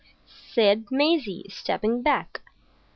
said Maisie, stepping back.